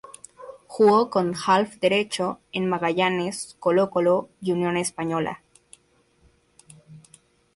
Jugó como half derecho en Magallanes, Colo-Colo y Unión Española.